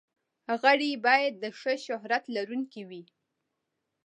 غړي باید د ښه شهرت لرونکي وي.